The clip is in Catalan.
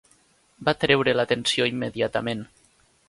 Va atreure l'atenció immediatament.